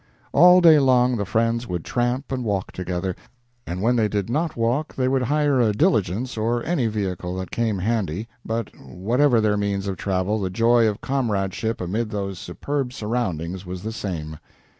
All day long the friends would tramp and walk together, and when they did not walk they would hire a diligence or any vehicle that came handy, but, whatever their means of travel the joy of comradeship amid those superb surroundings was the same.